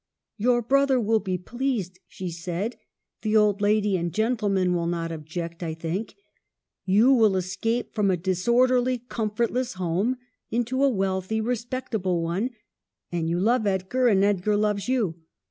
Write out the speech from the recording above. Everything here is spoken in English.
"' Your brother will be pleased,' " she said ;"' the old lady and gentleman will not object, I think ; you will escape from a disorderly, com fortless home into a wealthy, respectable one ; and you love Edgar, and Edgar loves you.